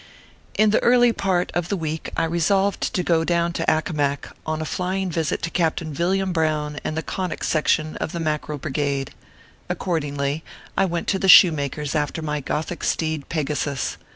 IN the early part of the week I resolved to go down to Accomac, on a flying visit to Captain Villiam Brown and the Conic Section of the Mackerel Brigade. Accordingly, I went to the shoemaker s after my gothic steed Pegasus.